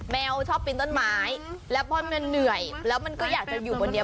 แมวชอบปีนต้นไม้แล้วพอแมวเหนื่อยแล้วมันก็อยากจะอยู่บนนี้